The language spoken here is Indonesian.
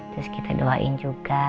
terus kita doain juga